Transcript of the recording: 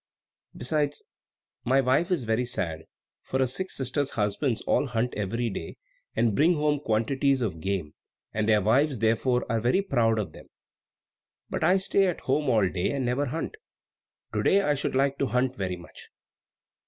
Besides, my wife is very sad, for her six sisters' husbands all hunt every day, and bring home quantities of game, and their wives therefore are very proud of them. But I stay at home all day, and never hunt. To day I should like to hunt very much."